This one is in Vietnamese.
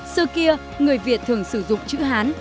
xưa kia người việt thường sử dụng chữ hán